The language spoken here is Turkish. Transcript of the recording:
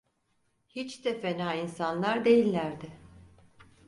Hiç de fena insanlar değillerdi.